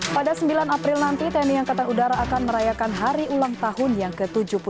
pada sembilan april nanti tni angkatan udara akan merayakan hari ulang tahun yang ke tujuh puluh dua